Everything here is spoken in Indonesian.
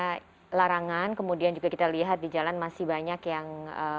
oke terkait dengan adanya larangan kemudian juga kita lihat di jalan masih banyak yang